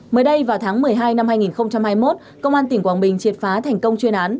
mới đây vào tháng một mươi hai năm hai nghìn hai mươi một công an tỉnh quảng bình triệt phá thành công chuyên án